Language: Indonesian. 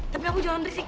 tapi kamu jangan berisik